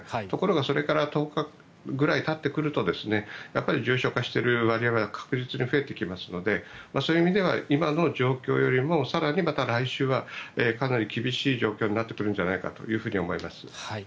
ところが、それから１０日ぐらいたってくると重症化している割合は確実に増えてきますのでそういう意味では今の状況よりも更にまた来週はかなり厳しい状況になってくるんじゃないかと思います。